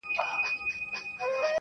ما یې لمن کي اولسونه غوښتل!!